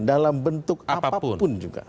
dalam bentuk apapun juga